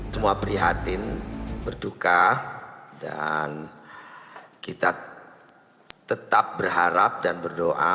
semua prihatin berduka dan kita tetap berharap dan berdoa